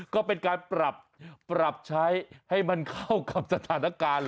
ก็เป็นการปรับปรับใช้ให้มันเข้ากับสถานการณ์